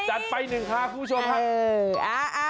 จัดไปหนึ่งค่ะคุณผู้ชมครับ